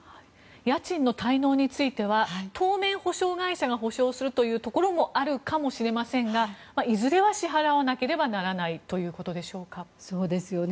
家賃の滞納については当面、保証会社が保証するというところもあるかもしれませんがいずれは支払わなければならないということでしょうか。